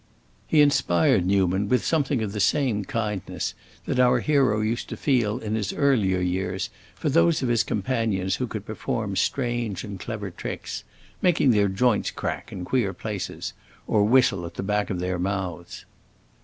He inspired Newman with something of the same kindness that our hero used to feel in his earlier years for those of his companions who could perform strange and clever tricks—make their joints crack in queer places or whistle at the back of their mouths.